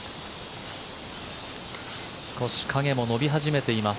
少し影も伸び始めています。